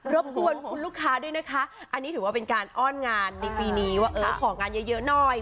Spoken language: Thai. บกวนคุณลูกค้าด้วยนะคะอันนี้ถือว่าเป็นการอ้อนงานในปีนี้ว่าเออของานเยอะหน่อย